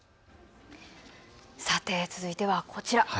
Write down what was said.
さて、続いてはこちら。